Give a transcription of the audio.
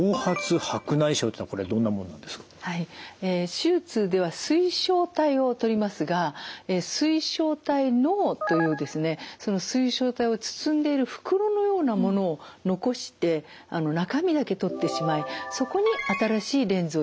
手術では水晶体を取りますが水晶体嚢というですね水晶体を包んでいる袋のようなものを残して中身だけ取ってしまいそこに新しいレンズを入れていきます。